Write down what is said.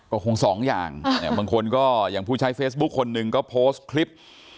ก็คงสองอย่างบางคนก็อย่างผู้ใช้เฟซบุ๊คคนหนึ่งก็โพสต์คลิป